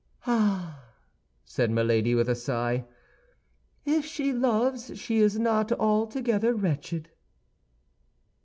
"Ah," said Milady, with a sigh, "if she loves she is not altogether wretched."